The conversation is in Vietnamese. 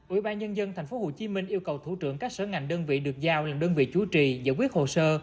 ủy ban nhân dân tp hcm yêu cầu thủ trưởng các sở ngành đơn vị được giao làm đơn vị chú trì giải quyết hồ sơ